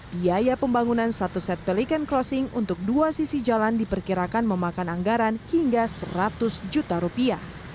biaya pembangunan satu set pelikan crossing untuk dua sisi jalan diperkirakan memakan anggaran hingga seratus juta rupiah